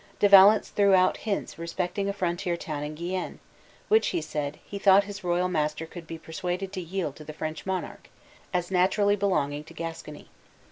De Valence threw out hints respecting a frontier town in Guienne, which, he said, he thought his royal master could be persuaded to yield to the French monarch, as naturally belonging to Gascony.